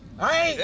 はい！